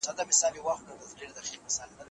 آیا انسان له یو ځل ډیر مري؟